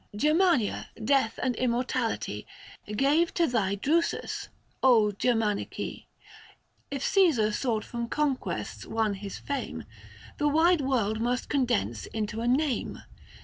Germania, death and immortality* Gave to thy Drusus, Germanice ! If Csesar sought from conquests won his fame, 640 The wide world must condense into a name.